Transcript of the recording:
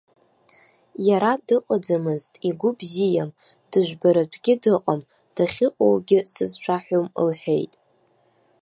Иара дыҟаӡамызт, игәы бзиам, дыжәбаратәгьы дыҟам, дахьыҟоугьы сызшәаҳәом лҳәеит.